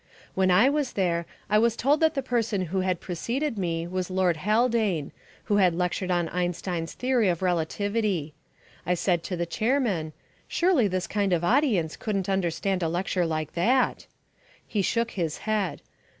When I was there I was told that the person who had preceded me was Lord Haldane, who had lectured on Einstein's Theory of Relativity. I said to the chairman, "Surely this kind of audience couldn't understand a lecture like that!" He shook his head.